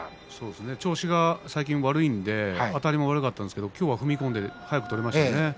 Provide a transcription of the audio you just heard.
調子が最近悪いのであたりも悪かったんですけれども今日は踏み込んで速く取れましたね。